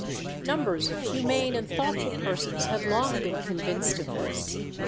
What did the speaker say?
Numbers of humane and thoughtful persons had long been convinced of this.